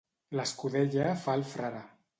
L'escudella fa el frare.